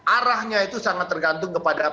arahnya itu sangat tergantung kepada